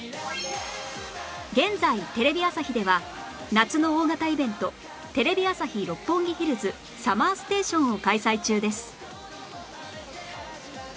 現在テレビ朝日では夏の大型イベントテレビ朝日・六本木ヒルズ ＳＵＭＭＥＲＳＴＡＴＩＯＮ を開催中です